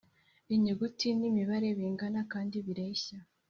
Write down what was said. Inyuguti n’imibare bingana kandi bireshya